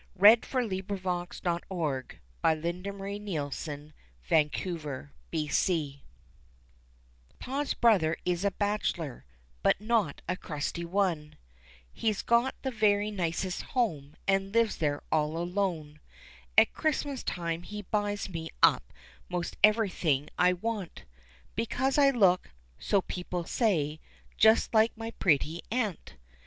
[Illustration: Decorative image unavailable.] Truth upon Honor Pa's brother is a bachelor, but not a crusty one, He's got the very nicest home and lives there all alone; At Christmas time he buys me up most everything I want, Because I look, 'so people say, just like my pretty aunt.